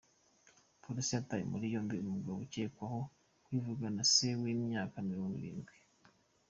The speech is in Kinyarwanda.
Polisi yataye muri yombi umugabo ukekwaho kwivugana se w’imyaka Mirongo Irindwi